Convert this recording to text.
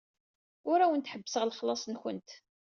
Ur awent-ḥebbseɣ lexlaṣ-nwent.